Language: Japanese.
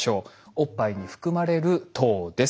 おっぱいに含まれる糖です。